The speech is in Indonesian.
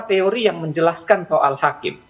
teori yang menjelaskan soal hakim